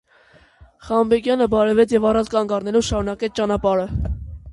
Խանբեգյանը բարևեց և առանց կանգ առնելու շարունակեց ճանապարհը: